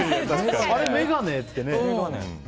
あれ、眼鏡ってね。